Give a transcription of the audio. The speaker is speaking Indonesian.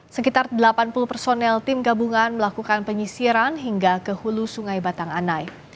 sekitar delapan puluh personel tim gabungan melakukan penyisiran hingga ke hulu sungai batang anai